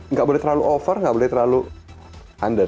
nggak boleh terlalu over nggak boleh terlalu under